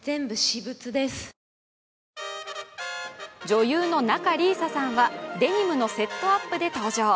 女優の仲里依紗さんはデニムのセットアップで登場。